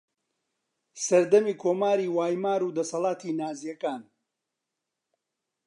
سەردەمی کۆماری وایمار و دەسەڵاتی نازییەکان